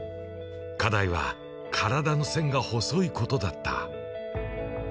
課題は体の線が細いことだった。